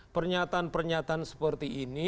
pernyataan pernyataan seperti ini